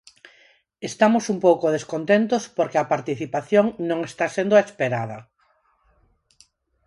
Estamos un pouco descontentos porque a participación non está sendo a esperada.